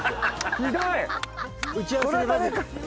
ひどい！